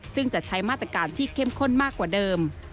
ซึ่งจะใช้มาตรการที่เข้มข้นมากกว่าเดิม